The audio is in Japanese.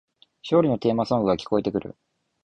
勝利のテーマソングが聞こえてくる